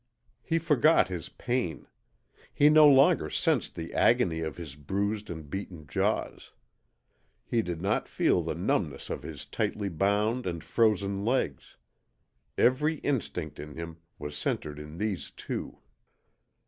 He forgot his pain. He no longer sensed the agony of his bruised and beaten jaws. He did not feel the numbness of his tightly bound and frozen legs. Every instinct in him was centred in these two.